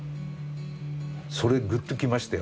それグッときましたよ。